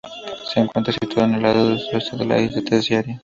Se encuentra situada en el lado sudoeste de la Isla Terceira.